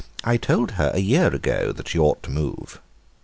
I told her a year ago that she ought to move."